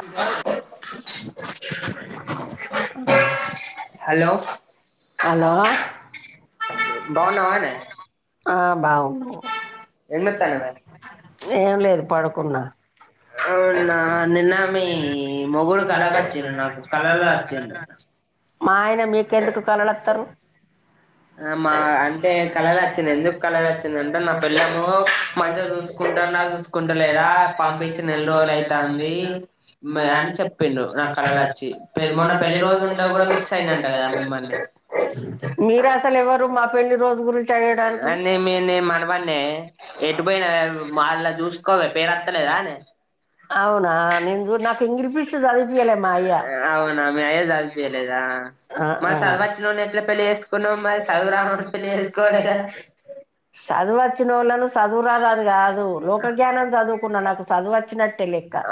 అ hello hello ఆ బాగున్నా ఏం లేదు పడుకున్నా మా ఆయన మీకెందుకు కలల అత్తరు [unintelligible] కళచ్చింటే చూసుకుంట చూసుకుంటలేదా పంపించి నెల రోజులు అయి [unintelligible] మొన్న పెళ్లి రోజులు [unintelligible] అసలు ఎవరు మా పెళ్లి రోజు గురించి అడిగడానికి అవునా నేను చు నాకు ఇంగిలి పీస్ చదిపియలే మా అయ ఆ ఉన్నావ్ మ చదువు వచ్చినోళ్లును చదువు రదు కాదు లోక జ్ఞానం చదువుకున్న నాకు చదువు వచ్చినట్టే లెక్క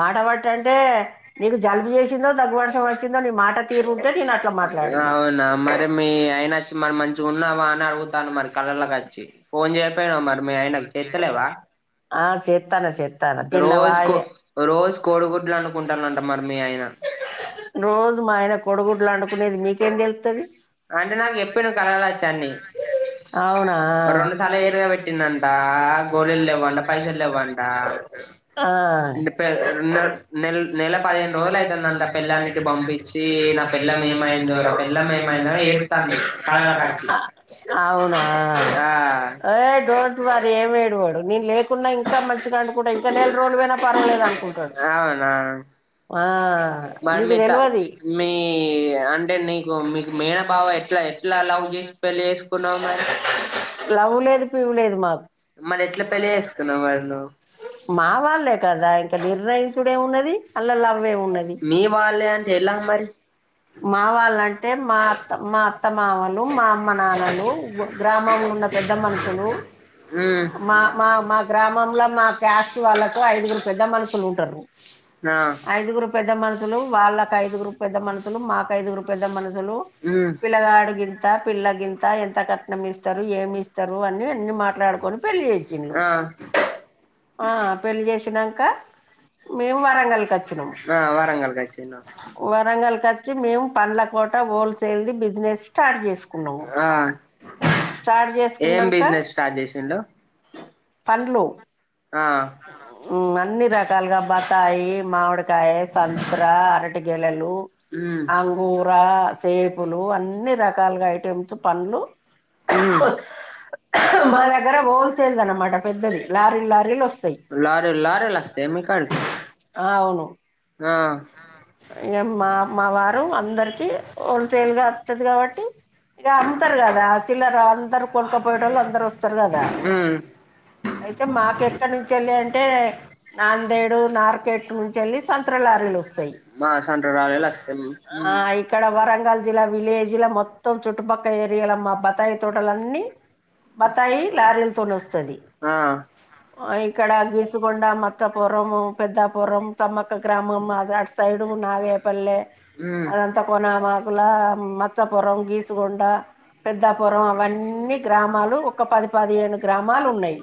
మాట పట్ అంటే నీకు జలుబు చేసిందో దగ్గు వర్షం పట్ ఆ అవునా మరి మీ ఆయన వచ్చి మరి మంచిగా ఉన్నావా అని అడుగుతాను మరి కళ్ళల కచ్చి ఫోన్ చేయపోయినా మరి మీ ఆయనకు చెతలేవా రోజు కో రోజు కోడిగుడ్లు అనుకుంటానుంట మరి మీ ఆయన రోజు మా ఆయన కోడిగుడ్లు అనుకునేది నీకే ఏం తెలుతుంది అవునా ఆ ఆ అవునా అరే డోంట్ వర్రీ ఏం మీరు నేను లేకున్నా ఇంకా మంచిగా అనుకుంటా ఇంకా నెల రోజులు పోయినా పర్వాలదు అనుకుంటాడు ఆ [unintelligible] లవ్వు లేదు పివ్వు లేదు మాకు మా వాళ్లే కదా ఇంక నిర్ణయించడు ఏం ఉన్నది అండ్ల లవ్వేమున్నది వాలేన్ మా వాళ్ళంటే మా అత్త మా అత్తమామలు మా అమ్మ నాన్నలు గ్రామంలో ఉన్న పెద్ద మనుషులు మా మా మా గ్రామంలో మా క్యాస్ట్ వాళ్ళకు ఐదుగురు పెద్ద మనుషులు ఉంటారు ఐదుగురు పెద్ద మనుసు లు వాళ్ల ఐదుగురు పెద్ద మనసులు మాకు ఐదుగురు పెద్ద మనసులు పిల్లగాడి కింత పిల్లకింత ఎంత కట్నం ఇస్తారు ఏమి ఇస్తారు అని అన్ని మాట్లాడుకొని పెళ్లి చేసిండు ఆ పెళ్లి చేసినాక మేము వరంగల్ కి వచ్చినమ్ చిన్న వరంగల్కి వరంగల్ కచ్చి మేము పండ్ల కోట హోల్ సేల్ ది బిజినెస్ స్టార్ట్ చేసుకున్నాము స్టార్ట్ చేసుకున్నాక పండ్లు అన్ని రకాలుగా బత్తాయి మామిడికాయ సంత [unintelligible] గెలలు అంగూర సేపులు అన్ని రకాలుగా ఐటెమ్స్ పండ్లు మా దగ్గర హోల్ సేల్ ది అన్నమాట పెద్దది లారీ లారీలు వస్తాయి అవును ఆ ఇక మా మా వారు అందరికి హోల్ సేల్ గా వస్తుది కాబట్టి ఇక అమ్ముతారు కదా చిల్లర అందరు కొనుకపోయేట వాళ్ళు అందరు వస్తారు కదా అయితే మాకెక్కడ నుంచి వెళ్ళి అంటే నాందేడు నార్కెట్ నుంచి వెెళ్ళి సంత [unintelligible] లారీలు వస్తాయి ఆ ఇక్కడ వరంగల్ జిల్లా విలేజీల మొత్తం చుట్టుపక్క ఏరియాల బత్తాయి తోటలన్నీ బత్తాయి లారీలతోనే వస్తుంది ఇక్కడ గీసుగొండ మత్తపురం పెద్దాపురం తమక్ మా గ్రామం మాదర్స్ సైడు నాగేపల్లె అదంతా కొనామాకుల మతపురం గీసుగొండ పెద్దపురం అవన్నీ గ్రామాలు ఒక పది పదిహేను గ్రామాలు ఉన్నాయి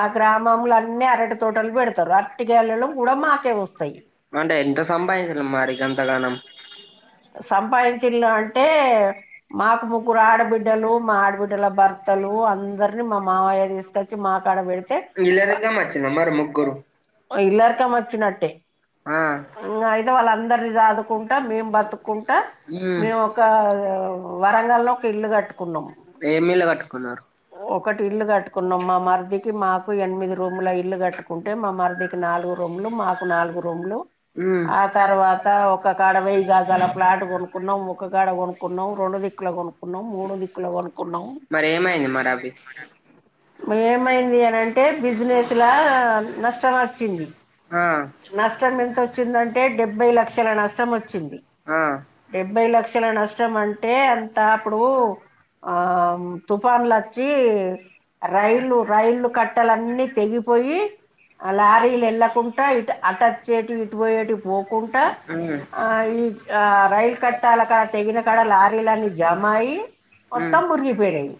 ఆ గ్రామములో అన్ని అరటి తోటలు పెడతారు అరటి గేలలు కూడా మాకి ఇట్టే వస్తాయి సంపాదించిళ అంటే మాకు ముగ్గురు ఆడబిడ్డలు మా ఆడబిడ్డల భర్తలు అందరిని మా మావయ్య తీసుకొచ్చి మాకాడ పెడితే ఇల్లరికం వచ్చిన ఇంగ అయితే వాళ్ళ అందరిని చాదుకుంటా మేము బతుకుంటా మేము ఒక వరంగల్లో ఒక ఇల్లు కట్టుకున్నాం ఒకటి ఇల్లు కట్టుకున్నాం మా మరదికి మాకు ఎనిమిది రూముల ఇల్లు కట్టుకుంటే మా మరదికి నాలుగు రూములు మాకు నాలుగు రూము లో ఆ తర్వాత ఒక కాడ వేయి గజాల ప్లాట్ కొనుక్కున్నాం ఒక కాడ కొనుక్కున్నాం రెండు దిక్కులో కొనుక్కున్నాం మూడో దిక్కులో కొనుకున్నాం ఏమైంది అనింటే బిజినెస్లా నష్టం వచ్చింది ఆ ఎంత వచ్చిందంటే డెబ్బై లక్షల నష్టం వచ్చింది డెబ్బై లక్షల నష్టం అంటే అంత అప్పుడు ఆ తుఫాన్లు ఆచ్చి రైళ్లు రైళ్లు కట్టల అన్నీ తెగిపోయి ఆ లారీలు వెళ్ళకుం ఆట ఇట అటచి పోయేటి పోకుండా ఆ ఈ ఆ రైల్ కట్టాలక్కడ తెగిన కడ లారీలన్నీ జమ అయి మొత్తం మురిగిపోయినాయి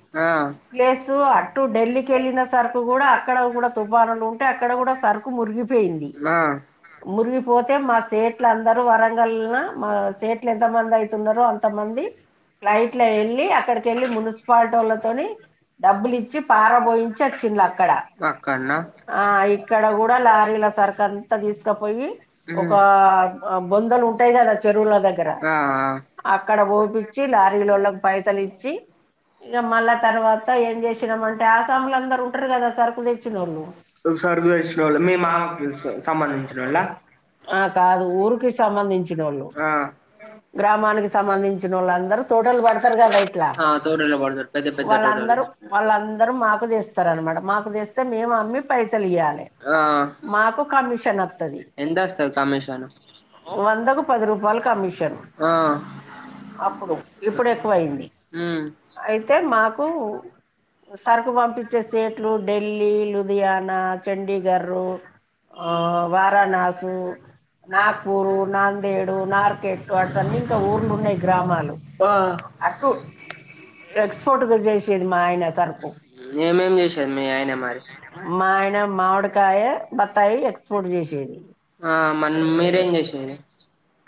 ప్లేస్ అటు ఢిల్లీకి వెళ్ళిన సరుకు కూడా అక్కడ కూడా తుఫానులు ఉంటే అక్కడ కూడా సరుకు మురిగిపోయింది నా మురిగిపోతే మా సేట్లు అందరు వరంగల్ మా సేట్లు ఎంత మంది అయితున్నారో అంతమంది ఫ్లైట్ల వెళ్ళి అక్కడిక వెళ్ళి మున్సిపాలిటీ వాళ్ళతోని డబ్బులు ఇచ్చి పార పోయించి వచ్చిల్లు అక్కడ ఆ ఇక్కడ కూడా లారీల సర్కు సంత తీస్ పోయి ఒక బొందలు ఉంటాయి కదా చెరువుల దగ్గర అక్కడ పోపిచ్చి లారీలోళకి పైసలు ఇచ్చి ఇక మళ్ళా తర్వాత ఏం చేసినామ అంటే ఆసాంల అందరు ఉంటారు కదా సరుకు తెచ్చినోళ్ళు సంబంధించి ఆ కాదు ఊరికి సంబంధించిన వాళ్ళు గ్రామానికి సంబంధించిన వాళ్ళుందరూ తోటలు పడతారు కదా ఇట్లా వాళ్ళందరూ వాళ్ళందరూ మాకు తెస్తారు అనమాట మాకు తెస్తే మేము అమ్మీ పైసలు ఇయ్యాలే మాకు కమిషన్ వత్ వందకు పది రూపాలు కమిషన్ అప్పుడు ఇప్పుడు ఎక్కువయింది అయితే మాకు సరుకు పంపించే స్టేట్లు ఢిల్లీ ఉబియాన చండీగర్ ఆ ఏమేం చేసారు మీ ఆయన మరి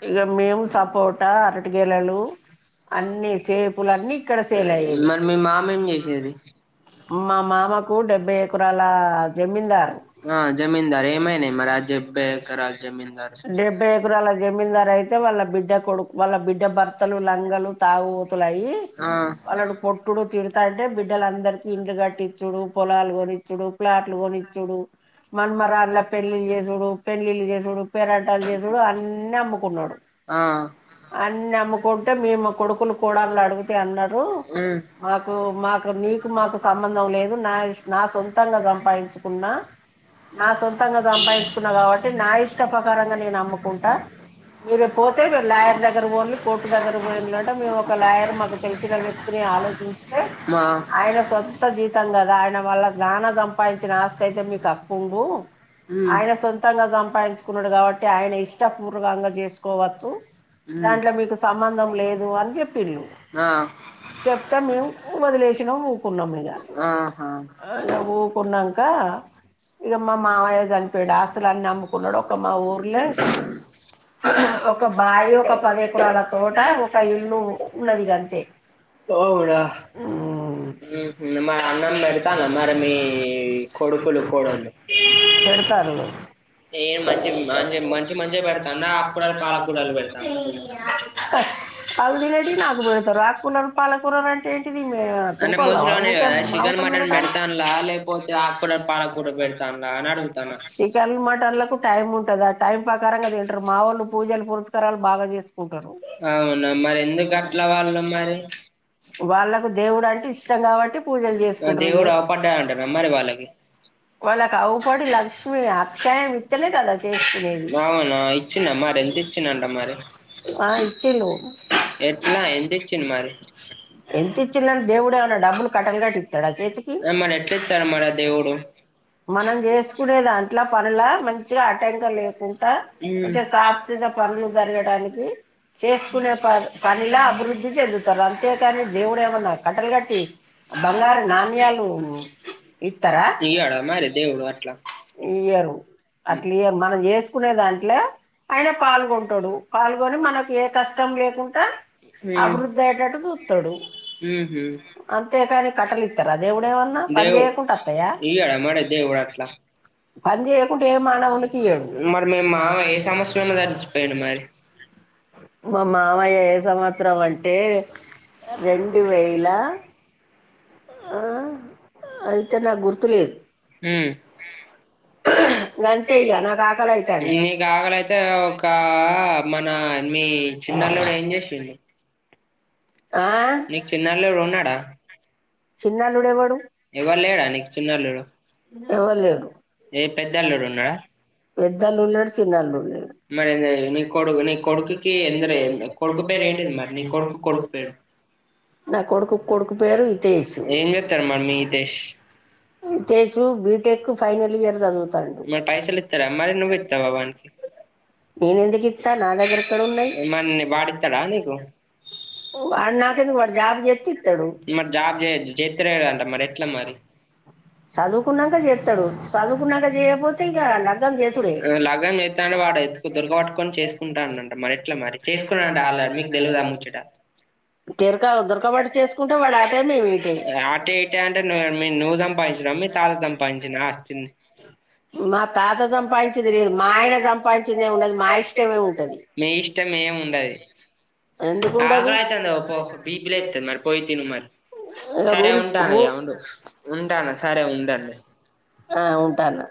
ఇక మేము సపోట అరటి గేలలు అన్ని సేపులు అన్ని ఇక్కడ సేల్ అయ్యేది మా మామకు డెబ్బై ఎకరాల జమీందారు దరేమైనయి డెబ్బై ఎకరాల జమీందారు అయితే వాళ్ళ బిడ్డ కొడు వాళ్ళ బిడ్డ భర్తలు లంగలు తాగుబోతులు అయి వాళ్లను కొట్టుడు తిడతాంటే బిడ్డలందరికి ఇండ్లు కట్టిచ్చుడు పొలాలు కొనిచ్చడు ప్లాట్లు కొనిచ్చుడు మన్మరా పెళ్లిలు చేసుడు పెళ్లిలు చేసుడు పేరంటాలు చేసుడు అన్ని అమ్ముకున్నాడు అన్ని అమ్ముకుంటే మేము మా కొడుకులు కోడళ్లు అడిగితే అన్నారు మాకు మాకు నీకు మాకు సంబంధం లేదు నా నా సొంతంగా సంపాదించుకున్నా నా సంత ఇష్టంగా సంపాదించుకున్నా కాబట్టి నా ఇష్టపకారంగా నేను నమ్ముకుంటా మీరు పోతే మీరు లాయర్ దగ్గర పోల్లి కోర్టు దగ్గర పో అంటే మేము ఒక లాయర్ మాకు తెలిసిన వ్యక్తిని ఆలోచిస్తే ఆయనకు సొంత జీతం కదా ఆయన వాళ్ళ నాన సంపాదించిన ఆస్తి అయితే మీకు హక్కు ఉండు ఆయన సొంతంగా సంపాదించుకున్నాడు కాబట్టి ఆయన ఇష్టపూర్వకంగా చేసుకోవచ్చు దాంట్లో మీకు సంబంధం లేదు అని చెప్పిల్లు చెప్తే మేము వదిలేసినాము ఊకున్నాం ఇ ఊకున్నాక ఇక మా మామయ గంపెడు ఆస్తులన్ని అమ్ముకున్నాడు ఒక మా ఊర్లే ఒక బాయి ఒక పది ఎకరాల తోట ఒక ఇల్లు ఉన్నది గంతే వాళ్ళు తినేటియి నాకు పెడతారు ఆకుకూరరు పాలకూరరు అంటే ఏంటిది మము తురుకోళ్లమా ఇంకా మాంసం తినటనికి చికెన్ మటన్లకు టైం ఉంటదా ఆ టైం ప్రకారంగా తింటారు మా వాళ్ళు పూజలు పురస్కారాలు బాగా చేసుకుంటారు వాళ్ళకు దేవుడు అంటే ఇష్టం కాబట్టి పూజలు చేసుకుంటారు వాళ్ళకు అవుపడి ఇలా మీ అప్యాయం ఇస్తనే కదా చేసుకునేది ఆ ఇచ్చిళు ఎంత ఇచ్చింటే దేవుడేమన్నా డబ్బులు కట్టలు కట్టి ఇస్తాడా చేతికి మనం చేసు సుకునే దాంట్లో పనులా మంచిగా ఆటంక లేకుండా అే సాఫగ పనులు జరగడానికి చేసుకునే ప పనిలా అభివృద్ధి చెందుతారు అంతేకాని దేవుడు ఏమన్నా కటలు గట్టి బంగారు నాణ్యాలు ఇస్తారా ఇయరు అట్లా ఇరు మనం చేసుకునే దాంట్లో ఆయన పాల్గొంటాడు పాల్గొని మనకు ఏ కష్టం లేకుంటడా అభివృద్ధి అయ్యేటట్టు చూస్తాడు అంతేకాని కట్టలు ఇస్తారు అద ఎవుడేమన్నా పని చేయకుండా వస్తాయా పని చేయకుండా ఏ మాన ఉండకియడువ మా మామయ్య ఏ సంవత్సరం అంటే రెండు వేల అ నీకు ఆగలైతే ఒక మన మీ చిన్నలుు ఏం చేసిండు ఆ చిన్నాలుడు ఎవడు ఎవరు లేడు పెద్దలు లేడు చిన్నాలులు లేడు పేరు సుసు బీటెక్ ఫైనల్ ఇయర్ చదువుతాడు నేను ఎందుకు ఇస్తా నా దగ్గర ఇక్కడ ఉన్నాయి వ నాకిందుకు వాడు జాబ్ చేతే ఇతడు చదువుకున్నాక చేస్తాడు చదువుకున్నాక చేయకపోతే ఇగ లగ్గం చేస్తుడే తిరక దురకబటు చేసుకుంటే వాడు ఆ మే మా తాత సంపాదించింది లేదు మా ఆయన సంపాదించిందే ఉన్నది మా ఇష్టమే ఉంటది ఎందుకుండది పో బీప్లేంది మరి పోయితిను మరి రూల్ రూ ఉంటాను